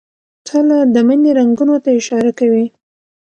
تله د مني رنګونو ته اشاره کوي.